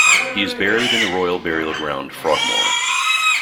He is buried in the Royal Burial Ground, Frogmore.